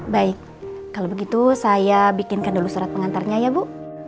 baik kalau begitu saya bikinkan dulu surat pengantarnya ya bu